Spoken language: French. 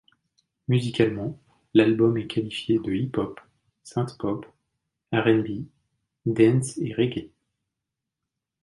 Musicalement, l'album est qualifié de hip-hop, synthpop, RnB, dance et reggae.